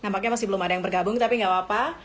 nampaknya masih belum ada yang bergabung tapi gak apa apa